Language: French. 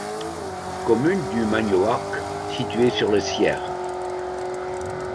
Commune du Magnoac située sur le Cier.